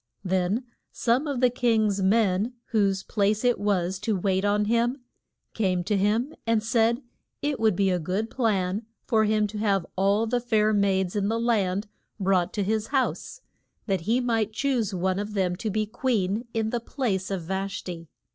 Then some of the king's men, whose place it was to wait on him, came to him and said it would be a good plan for him to have all the fair maids in the land brought to his house, that he might choose one of them to be queen, in the place of Vash ti.